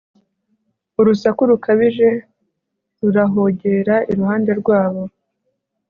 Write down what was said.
urusaku rukabije rurahogera iruhande rwabo